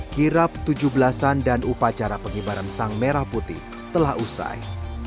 kirap tujuh belas an dan upacara pengibaran sang merah putih telah usai